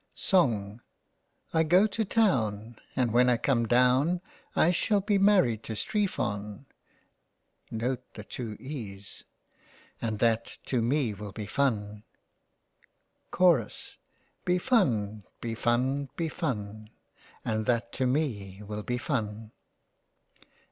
Song I go to Town And when I come down, I shall be married to Streephon* And that to me will be fun. Chorus) Be fun, be fun, be fun, And that to me will be fun.